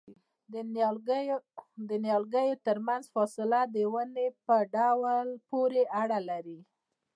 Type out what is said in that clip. د نیالګیو ترمنځ فاصله د ونې په ډول پورې اړه لري؟